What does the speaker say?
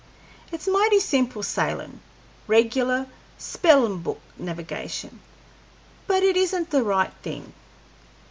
It's mighty simple sailin' regular spellin' book navigation but it isn't the right thing."